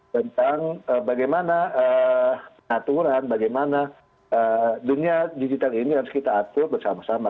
tentang bagaimana aturan bagaimana dunia digital ini harus kita atur bersama sama